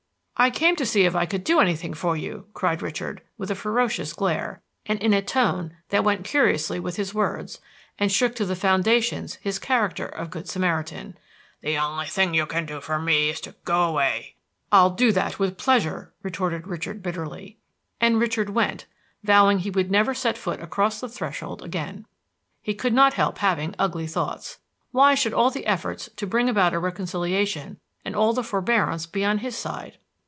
"I came to see if I could do anything for you!" cried Richard, with a ferocious glare, and in a tone that went curiously with his words, and shook to the foundations his character of Good Samaritan. "The only thing you can do for me is to go away." "I'll do that with pleasure," retorted Richard bitterly. And Richard went, vowing he would never set foot across the threshold again. He could not help having ugly thoughts. Why should all the efforts to bring about a reconciliation and all the forbearance be on his side?